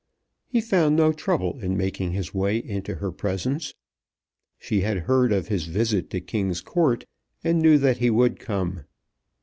He found no trouble in making his way into her presence. She had heard of his visit to King's Court, and knew that he would come.